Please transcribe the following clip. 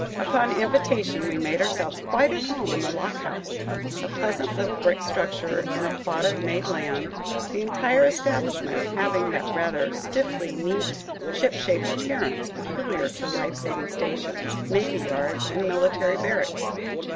Upon invitation, we made ourselves quite at home in the lock house, a pleasant little brick structure in a plot of made land, the entire establishment having that rather stiffly neat, ship shape appearance peculiar to life saving stations, navy yards, and military barracks.